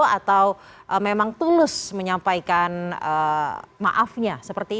atau memang tulus menyampaikan maafnya